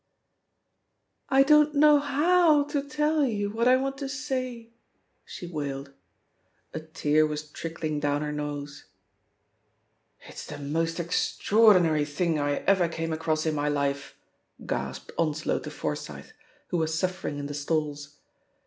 "" 'I don't know how to tell you what I want to say,' " she wailei A tear was trickling down her nose. "It's the most extraordinary thing I ever came across in my life!" gasped Onslow to Forsyth, who was suifering in the stalls.